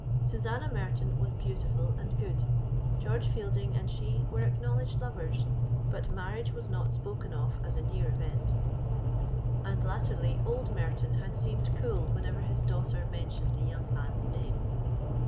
Susanna Merton was beautiful and good. George Fielding and she were acknowledged lovers, but marriage was not spoken of as a near event, and latterly old Merton had seemed cool whenever his daughter mentioned the young man's name.